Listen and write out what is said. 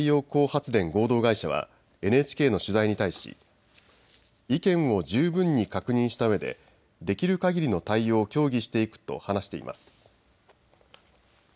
発電合同会社はＮＨＫの取材に対し意見を十分に確認したうえでできるかぎりの対応を協議していくと話しています。